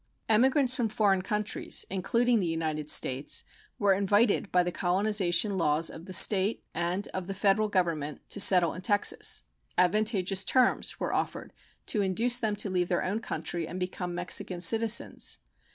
Emigrants from foreign countries, including the United States, were invited by the colonization laws of the State and of the Federal Government to settle in Texas. Advantageous terms were offered to induce them to leave their own country and become Mexican citizens.